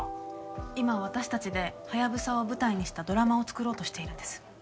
今私たちでハヤブサを舞台にしたドラマを作ろうとしているんです。